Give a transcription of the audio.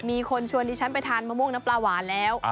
มีคนชวนดิฉันไปทานมะม่วงน้ำปลาหวานแล้ว